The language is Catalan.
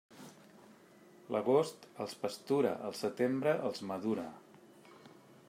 L'agost els pastura; el setembre els madura.